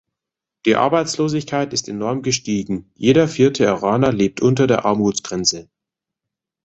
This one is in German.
Die Arbeitslosigkeit ist enorm gestiegen, jeder vierte Iraner lebt unter der Armutsgrenze.